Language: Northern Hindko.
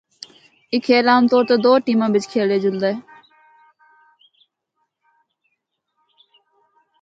اے کھیل عام طور تے دو ٹیماں بچ کھیڈیا جلدا اے۔